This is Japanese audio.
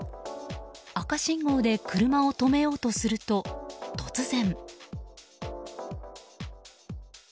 赤信号で車を止めようとすると突然。